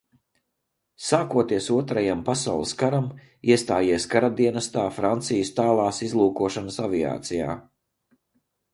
Sākoties Otrajam pasaules karam, iestājās karadienestā Francijas Tālās izlūkošanas aviācijā.